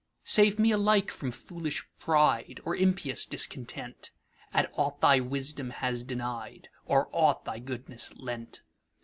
Save me alike from foolish PrideOr impious Discontent, At aught thy wisdom has denied, Or aught thy goodness lent.